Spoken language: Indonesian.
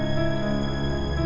ini udah berakhir